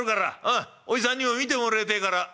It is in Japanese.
うんおじさんにも見てもらいてえから」。